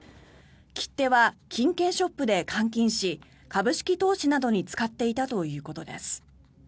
切手は金券ショップで換金し株式投資などに使っていたということです。